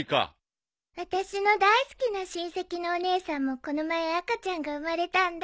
あたしの大好きな親戚のお姉さんもこの前赤ちゃんが生まれたんだ。